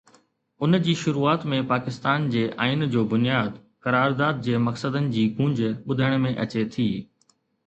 ان جي شروعات ۾ پاڪستان جي آئين جو بنياد، قرارداد جي مقصدن جي گونج ٻڌڻ ۾ اچي ٿي.